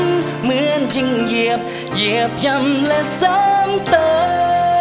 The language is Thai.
เหมือนยังเหยียบเหยียบยำและซ้ำเติม